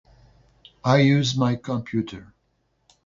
I use my computer.